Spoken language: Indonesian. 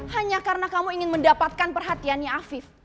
hanya karena kamu ingin mendapatkan perhatiannya afif